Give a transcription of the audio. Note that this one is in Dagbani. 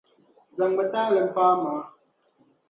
Zaŋmi taali m-pa a maŋa.